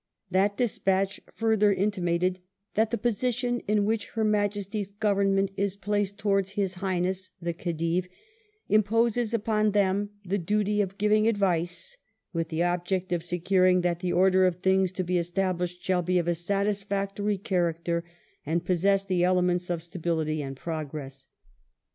That despatch further intimated that '* the position in which Her Majesty's Government is placed towards His Highness (the Khedive) imposes upon them the duty of giving advice, with the object of securing that the order of things to be established shall be of a satisfactory character and possess the elements of stability and progress